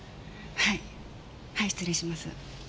はいはい失礼します。